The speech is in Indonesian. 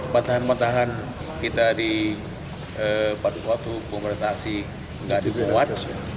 pantahan pantahan kita di pak dukwa itu pemerintah asli gak dibuat